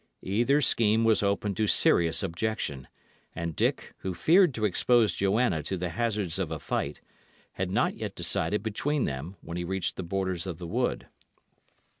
Either scheme was open to serious objection, and Dick, who feared to expose Joanna to the hazards of a fight, had not yet decided between them when he reached the borders of the wood.